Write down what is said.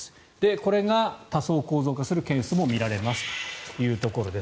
これが多層構造化するケースも見られますということです。